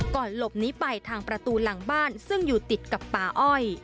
หลบหนีไปทางประตูหลังบ้านซึ่งอยู่ติดกับป่าอ้อย